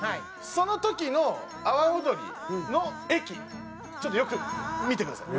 その時の阿波おどりの駅ちょっとよく見てください。